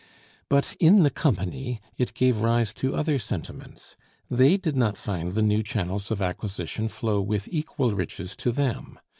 But in the company it gave rise to other sentiments. They did not find the new channels of acquisition flow with equal riches to them.